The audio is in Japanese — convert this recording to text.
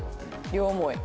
両思い。